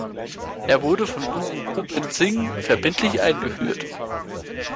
Er wurde von Guru Gobind Singh verbindlich eingeführt.